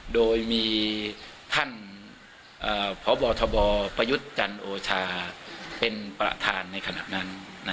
โดยมีท่านพบทบประยุทธ์จันโอชาเป็นประธานในขณะนั้น